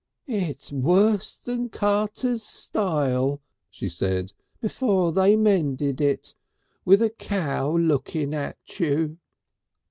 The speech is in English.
"It's wuss than Carter's stile," she said, "before they mended it. With a cow a looking at you."